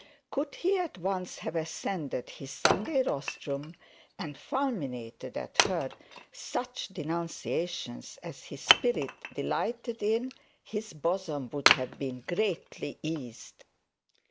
Could he at once have ascended his Sunday rostrum and fulminated at her such denunciations as his spirit delighted in, his bosom would have been greatly eased.